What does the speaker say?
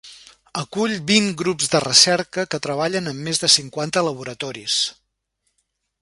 Acull vint grups de recerca que treballen en més de cinquanta laboratoris.